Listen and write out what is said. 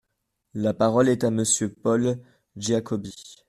La parole est à Monsieur Paul Giacobbi.